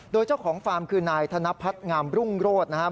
โดยเจ้าของฟาร์มคือนายธนพัฒน์งามรุ่งโรศนะครับ